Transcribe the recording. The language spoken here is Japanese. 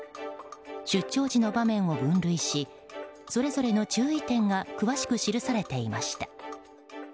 出張時の場面を分類しそれぞれの注意点が詳しく記されていました。